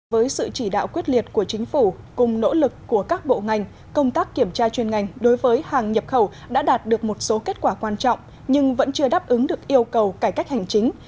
với sự chỉ đạo quyết liệt của chính phủ cùng nỗ lực của các bộ ngành công tác kiểm tra chuyên ngành đối với hàng nhập khẩu đã đạt được một số kết quả quan trọng nhưng vẫn chưa đáp ứng được yêu cầu cải cách hành chính